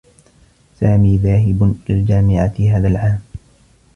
سامي ذاهب إلى الجامعة هذا العام.